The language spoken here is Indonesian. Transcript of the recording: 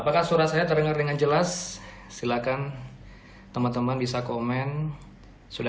kita akan tanya soal